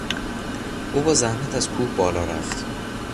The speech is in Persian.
او با زحمت از کوه بالا رفت.